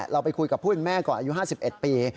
เราไปคุยกับผู้เป็นแม่ก่อนอายุ๕๑ปี